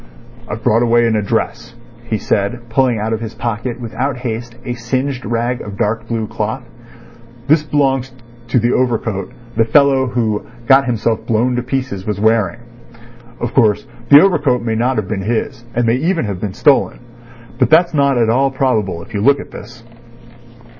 "I've brought away an address," he said, pulling out of his pocket without haste a singed rag of dark blue cloth. "This belongs to the overcoat the fellow who got himself blown to pieces was wearing. Of course, the overcoat may not have been his, and may even have been stolen. But that's not at all probable if you look at this."